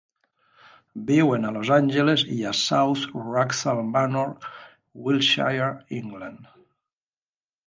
Viuen a Los Angeles i a South Wraxall Manor, Wiltshire, England.